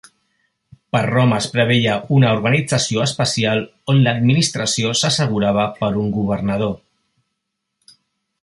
Per Roma es preveia una organització especial, on l'administració s'assegurava per un governador.